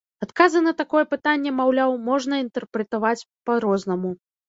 Адказы на такое пытанне, маўляў, можна інтэрпрэтаваць па-рознаму.